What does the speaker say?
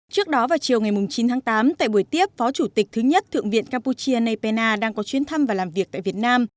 trước đó vào chiều ngày chín tháng tám tại buổi tiếp phó chủ tịch thứ nhất thượng viện campuchia nay pena đang có chuyến thăm và làm việc tại việt nam